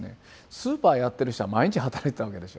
スーパーやってる人は毎日働いてたわけでしょ。